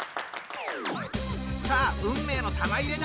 さあ運命の玉入れだ！